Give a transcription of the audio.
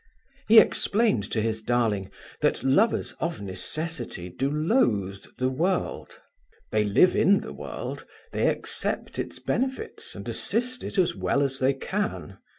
He explained to his darling that lovers of necessity do loathe the world. They live in the world, they accept its benefits, and assist it as well as they can.